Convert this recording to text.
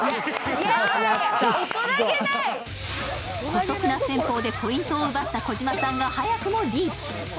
姑息な戦法でポイントを奪った児嶋さんが、早くもリーチ。